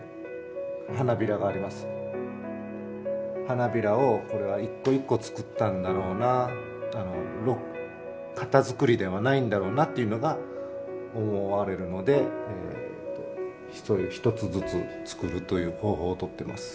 花びらをこれは一個一個つくったんだろうな型づくりではないんだろうなっていうのが思われるので１つずつつくるという方法をとってます。